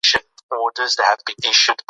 د شاعرانو لمانځنه زموږ د ولس د مینې نښه ده.